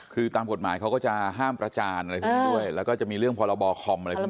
คือตามกฎหมายเขาก็จะห้ามประจานอะไรพวกนี้ด้วยแล้วก็จะมีเรื่องพรบคอมอะไรพวกนี้